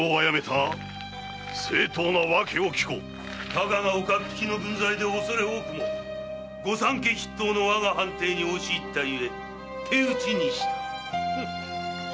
たかが岡っ引きの分際でおそれ多くも御三家筆頭の我が藩邸に押し入ったゆえ手討ちにした！